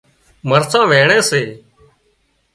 مرسان وينڻي سي